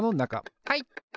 はい！